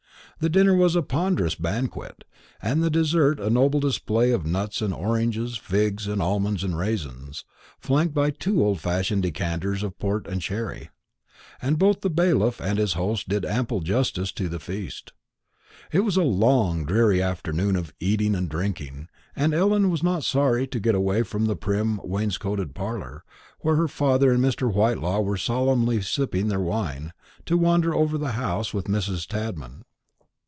The dinner was a ponderous banquet, and the dessert a noble display of nuts and oranges, figs and almonds and raisins, flanked by two old fashioned decanters of port and sherry; and both the bailiff and his host did ample justice to the feast. It was a long dreary afternoon of eating and drinking; and Ellen was not sorry to get away from the prim wainscoted parlour, where her father and Mr. Whitelaw were solemnly sipping their wine, to wander over the house with Mrs. Tadman.